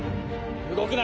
動くな。